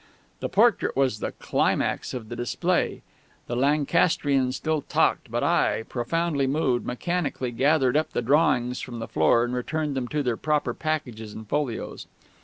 The portrait was the climax of the display. The Lancastrian still talked; but I, profoundly moved, mechanically gathered up the drawings from the floor and returned them to their proper packages and folios.